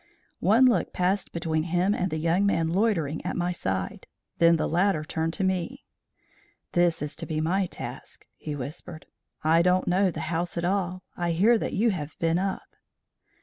One look passed between him and the young man loitering at my side. Then the latter turned to me: "This is to be my task," he whispered. "I don't know the house at all. I hear that you have been up."